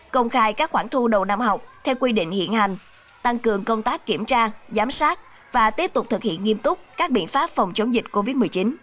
công khai các khoản thu đầu năm học theo quy định hiện hành tăng cường công tác kiểm tra giám sát và tiếp tục thực hiện nghiêm túc các biện pháp phòng chống dịch covid một mươi chín